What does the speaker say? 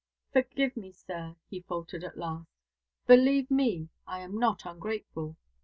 "Forgive me, sir," he faltered at last. "Believe me, I am not ungrateful.